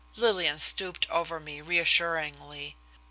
Lillian stooped over me reassuringly.